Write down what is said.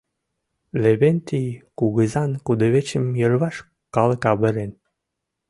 Левентей кугызан кудывечым йырваш калык авырен.